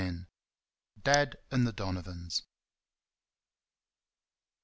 Dad And The Donovans.